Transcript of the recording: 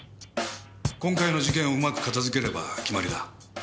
今回の事件をうまく片付ければ決まりだ。